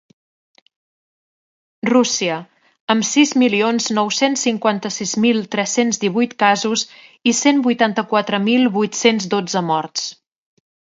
Rússia, amb sis milions nou-cents cinquanta-sis mil tres-cents divuit casos i cent vuitanta-quatre mil vuit-cents dotze morts.